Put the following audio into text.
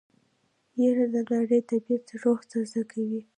يره د ناړۍ طبعيت روح تازه کوي.